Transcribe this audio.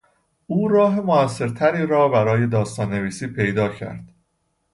او راه موثرتری را برای داستان نویسی پیدا کرد.